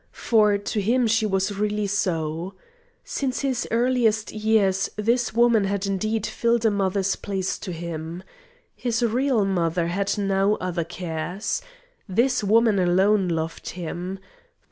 For to him she was really so. Since his earliest years this woman had indeed filled a mother's place to him. His real mother had now other cares. This woman alone loved him.